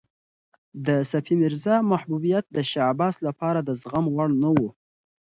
د صفي میرزا محبوبیت د شاه عباس لپاره د زغم وړ نه و.